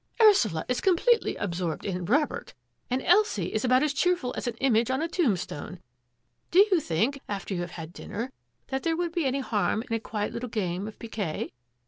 " Ursula is completely absorbed in Robert, and Elsie is about as cheerful as an image on a tombstone. Do you think — after you have had dinner — that there would be any harm in a quiet little game of piquet?